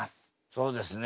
そうですね。